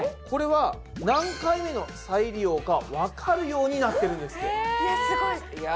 これは何回目の再利用かわかるようになってるんですって。